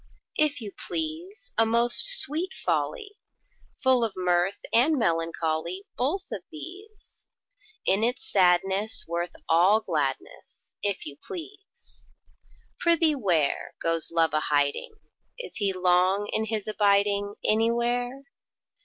If you please, A most sweet folly! Full of mirth and melancholy: Both of these! In its sadness worth all gladness, If you please! Prithee where, Goes Love a hiding? Is he long in his abiding Anywhere?